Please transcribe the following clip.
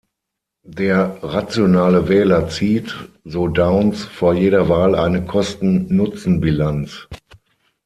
Der rationale Wähler zieht, so Downs, vor jeder Wahl eine Kosten-Nutzen-Bilanz.